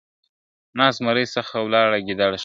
د ناست زمري څخه، ولاړه ګيدړه ښه ده `